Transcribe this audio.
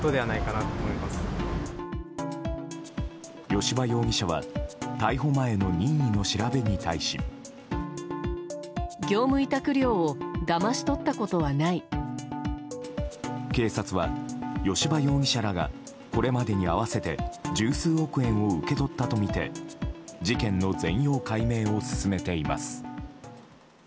吉羽容疑者は逮捕前の任意の調べに対し。警察は吉羽容疑者らがこれまでに合わせて数十億円を受け取ったとみて事件の全容解明を進めています。